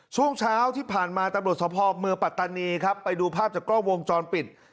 ช่วงเช้าที่ผ่านมาตำรวจสภาพเมืองปัตตานีครับไปดูภาพจากกล้องวงจรปิด